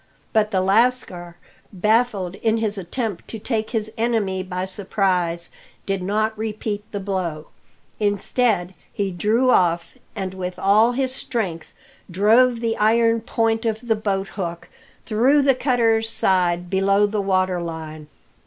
But the lascar, baffled in his attempt to take his enemy by surprise, did not repeat the blow. Instead, he drew off, and with all his strength drove the iron point of the boathook through the cutter's side below the water line.